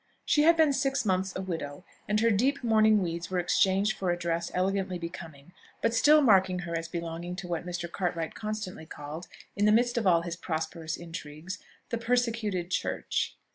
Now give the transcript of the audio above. She had been six months a widow, and her deep mourning weeds were exchanged for a dress elegantly becoming, but still marking her as belonging to what Mr. Cartwright constantly called, in the midst of all his prosperous intrigues, the "persecuted church."